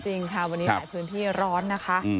จริงค่ะวันนี้หลายพื้นที่ร้อนนะคะ